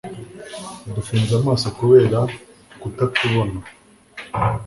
Udufunze amaso kubera kutatubona